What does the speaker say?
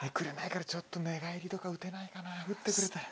ちょっと寝返りとかうてないかなうってくれたら。